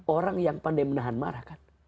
orang yang pandai menahan marah kan